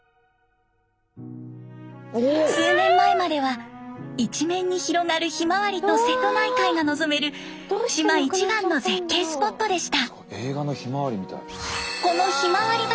数年前までは一面に広がるひまわりと瀬戸内海が望める島一番の絶景スポットでした。